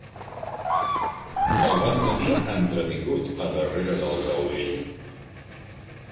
El van tenir entretingut a darrera del taulell